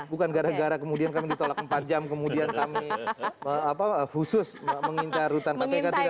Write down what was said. bukan gara gara kemudian kami ditolak empat jam kemudian kami khusus mengincar rutan kpk tidak